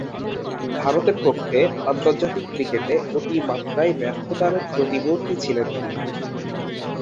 ভারতের পক্ষে আন্তর্জাতিক ক্রিকেটে অতিমাত্রায় ব্যর্থতার প্রতিমূর্তি ছিলেন তিনি।